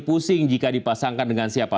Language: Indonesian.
pusing jika dipasangkan dengan siapa